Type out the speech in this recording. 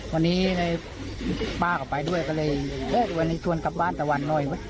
วันนี้เลยป้าก็ไปด้วยก็เลยเอ๊ะวันนี้ชวนกลับบ้านตะวันหน่อย